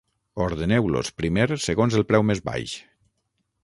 Ordeneu-los primer segons el preu més baix.